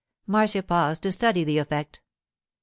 Marcia paused to study the effect.